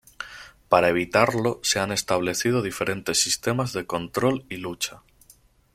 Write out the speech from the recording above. Para evitarlo, se han establecido diferentes sistemas de control y lucha.